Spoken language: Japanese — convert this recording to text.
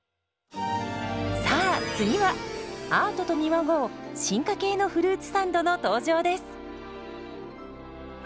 さあ次はアートと見まごう進化系のフルーツサンドの登場です。